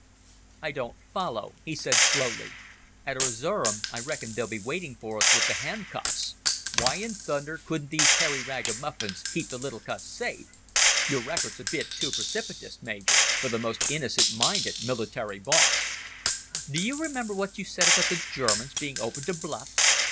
"I don't follow," he said slowly. "At Erzerum I reckon they'll be waiting for us with the handcuffs. Why in thunder couldn't those hairy ragamuffins keep the little cuss safe? Your record's a bit too precipitous, Major, for the most innocent minded military boss." "Do you remember what you said about the Germans being open to bluff?